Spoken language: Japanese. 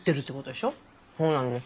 そうなんです。